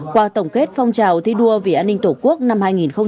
qua tổng kết phong trào thi đua vì an ninh tổ quốc năm hai nghìn một mươi chín